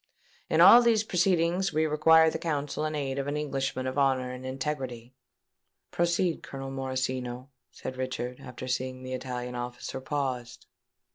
In all these proceedings we require the counsel and aid of an Englishman of honour and integrity." "Proceed, Colonel Morosino," said Richard, seeing that the Italian officer paused.